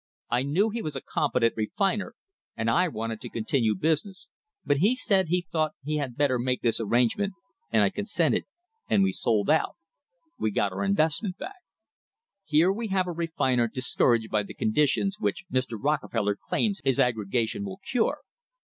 I knew he was a competent refiner, and I wanted to continue business, but he said he thought he had better make this arrangement, and I consented, and we sold out; we got our investment back." * Here we have a refiner discouraged by the conditions which * Mr. Rockefeller claims his aggregation will cure.